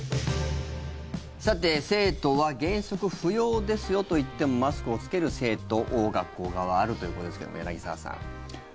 さて、生徒は原則不要ですよと言ってもマスクを着ける生徒学校側はあるということですけども柳澤さん。